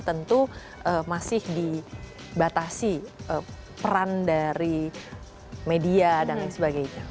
tentu masih dibatasi peran dari media dan lain sebagainya